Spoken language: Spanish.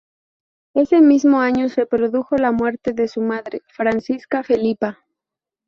Ese mismo año se produjo la muerte de su madre, Francisca Felipa.